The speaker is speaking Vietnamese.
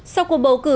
sau cuộc bầu cử